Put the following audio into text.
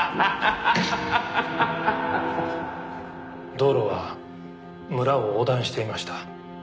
道路は村を横断していました。